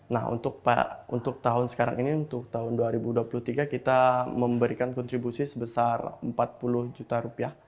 nah untuk tahun sekarang ini untuk tahun dua ribu dua puluh tiga kita memberikan kontribusi sebesar empat puluh juta rupiah